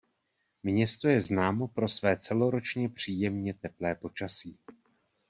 Město je známo pro své celoročně příjemně teplé počasí.